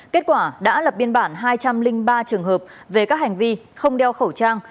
kết quả đã lập biên bản hai trăm linh ba trường hợp về các hành vi không đeo khẩu trang